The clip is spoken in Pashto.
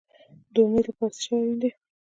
د امید لپاره څه شی اړین دی؟